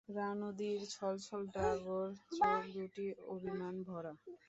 রানুদির ছলছল ডাগর চোখ দুটি অভিমান-ভরা!